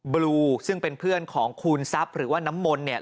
บลูซึ่งเป็นเพื่อนของคูณทรัพย์หรือว่าน้ำมนต์เนี่ย